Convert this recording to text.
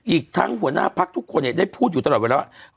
อีกทั้งหัวหน้าพักทุกคนเนี่ยได้พูดอยู่ตลอดไว้แล้ว